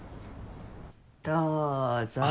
どうぞ。